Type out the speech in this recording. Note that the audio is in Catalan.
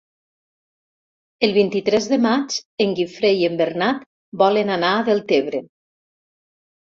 El vint-i-tres de maig en Guifré i en Bernat volen anar a Deltebre.